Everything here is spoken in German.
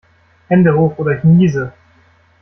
Hände hoch oder ich niese!